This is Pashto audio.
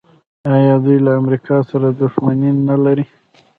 آیا دوی له امریکا سره دښمني نلري؟